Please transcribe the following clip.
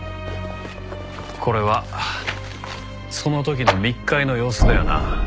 これはその時の密会の様子だよな？